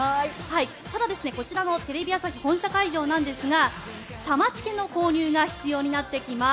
ただ、こちらのテレビ朝日本社会場なんですがサマチケの購入が必要になってきます。